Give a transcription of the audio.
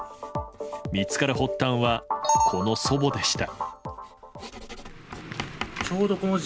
見つかる発端は、この祖母でした。